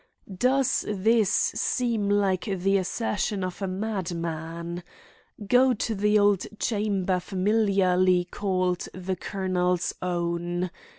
Does this seem like the assertion of a madman? Go to the old chamber familiarly called "The Colonel's Own."